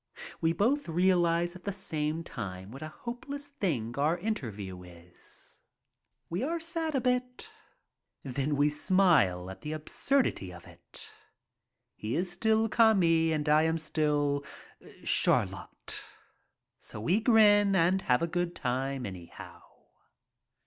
We both realize at the same time what a hopeless thing our interview is. We are sad a bit, then we smile at the absurdity of it. He is still Cami and I am still Chariot, so we grin and have a good time, anyhow.